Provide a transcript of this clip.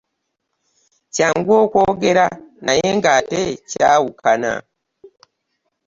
Kyangu okwogera naye nga ate kyawukana .